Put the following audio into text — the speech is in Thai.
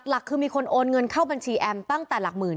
หลักคือมีคนโอนเงินเข้าบัญชีแอมตั้งแต่หลักหมื่น